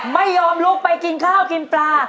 ไม่ยอมลุกไปกินข้าวกินปลา